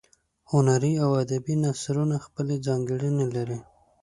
هنري او ادبي نثرونه خپلې ځانګړنې لري.